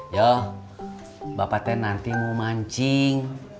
yah bapak teh nanti mau mancing